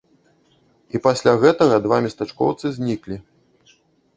І пасля гэтага два местачкоўцы зніклі.